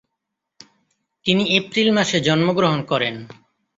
তিনি এপ্রিল মাসে জন্মগ্রহণ করেন।